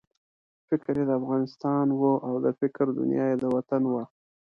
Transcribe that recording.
فکر یې د افغانستان وو او د فکر دنیا یې ددې وطن وه.